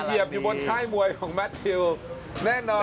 เหยียบอยู่บนค่ายมวยของแมททิวแน่นอน